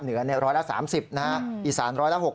เหนือเนี่ยร้อยละ๓๐นะฮะอิสานร้อยละ๖๐